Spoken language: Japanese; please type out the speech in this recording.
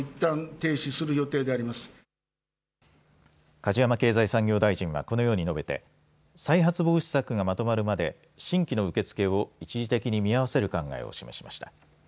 梶山経済産業大臣はこのように述べて再発防止策がまとまるまで新規の受け付けを一時的に見合わせる考えを示しました。